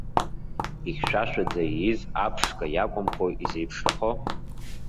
Ихьшәашәаӡа ииз аԥшқа иакәымхои изеиԥшрахо.